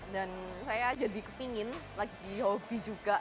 dan saya jadi kepingin lagi hobi juga